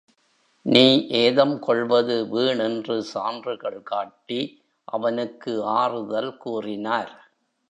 நீ ஏதம் கொள்வது வீண் என்று சான்றுகள் காட்டி அவனுக்கு ஆறுதல் கூறினார்.